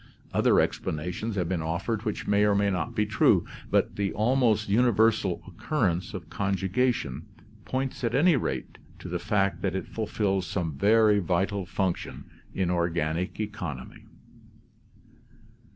Other ex planations have been offered which may or may not be true, but the almost universal occurrence of conjugation points at any rate to the fact that it fulfils some very vital function in organic econ omy.